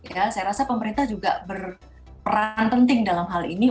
saya rasa pemerintah juga berperan penting dalam hal ini